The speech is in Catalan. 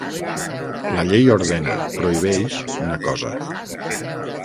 La llei ordena, prohibeix, una cosa.